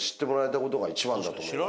だと思います